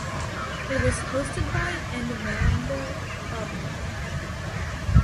It was hosted by and Amanda Obdam.